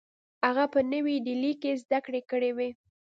هغه په نوې ډیلي کې زدکړې کړې وې